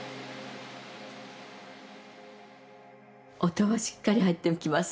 音はしっかり入ってきます